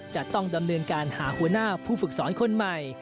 จะต้องดำเนินการหาหัวหน้าผู้ฝึกสอนคนใหม่